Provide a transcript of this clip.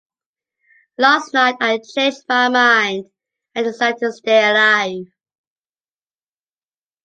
Last night I changed my mind and decided to stay alive.